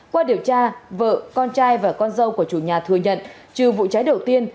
qua điều tra vợ con trai và con dâu của chủ nhà thừa nhận trừ vụ cháy đầu tiên